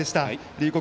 龍谷